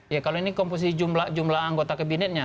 ya kalau ini komposisi jumlah anggota kabinetnya